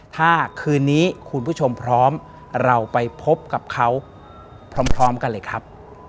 ถ้าคืนนี้คุณผู้ชมพร้อมเราไปพบกับเขาพร้อมกันเลยครับ